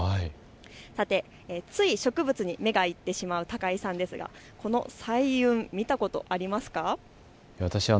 さて、つい植物に目がいってしまう高井さん、この彩雲、見たことありますか。